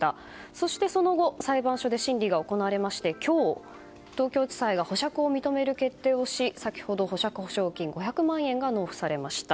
そして、その後裁判所で審議が行われまして今日、東京地裁が保釈を認める決定をし先ほど、保釈保証金５００万円が納付されました。